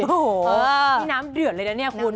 โอ้โฮน้ำเดือดเลยนะคุณ